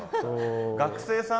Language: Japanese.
学生さん？